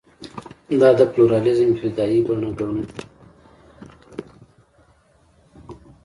دا د پلورالېزم ابتدايي بڼه وګڼو.